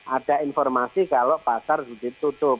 ada informasi kalau pasar sudah ditutup